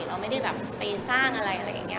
เราไม่ได้แบบไปสร้างอะไรอะไรอย่างนี้